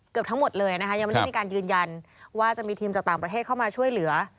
ทั้งหมดเลยนะคะยังไม่ได้มีการยืนยันว่าจะมีทีมจากต่างประเทศเข้ามาช่วยเหลือ